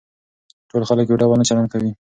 ټول خلک يو ډول نه چلن کوي.